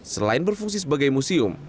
selain berfungsi sebagai museum